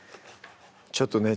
ちょっとね